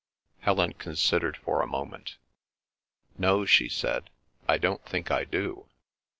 Helen considered for a moment. "No," she said. "I don't think I do."